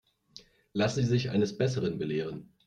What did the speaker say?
Lassen Sie sich eines Besseren belehren.